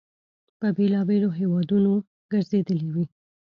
په بېلابېلو هیوادونو ګرځېدلی وي.